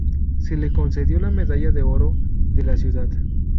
Se le concedió la Medalla de Oro de la Ciudad.